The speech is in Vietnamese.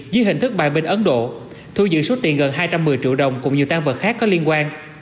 dưới hình thức bài bình ấn độ thu dữ số tiền gần hai trăm một mươi triệu đồng cũng như tăng vật khác có liên quan